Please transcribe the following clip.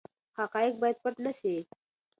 حقایق باید پټ نه سي.